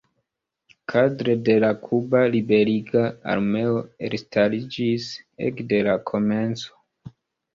Kadre de la Kuba Liberiga Armeo elstariĝis ekde la komenco.